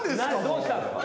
どうしたんすか。